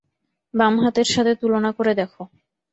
বাম হাতের সাথে তুলনা করে দেখো।